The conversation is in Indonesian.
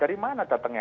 dari mana datangnya